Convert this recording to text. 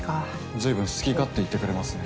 随分好き勝手言ってくれますね。